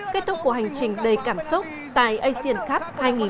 kết thúc của hành trình đầy cảm xúc tại asian cup hai nghìn một mươi chín